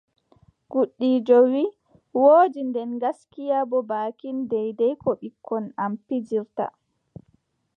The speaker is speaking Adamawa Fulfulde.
Gudiijo wii : woodi, nden gaskiya boo baakin deydey ko ɓikkon am pijiirta.